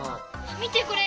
みてこれ！